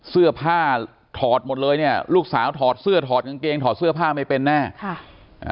เสื้อผ้าถอดหมดเลยเนี่ยลูกสาวถอดเสื้อถอดกางเกงถอดเสื้อผ้าไม่เป็นแน่ค่ะอ่า